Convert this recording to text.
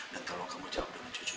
dan tolong kamu jawab dengan jujur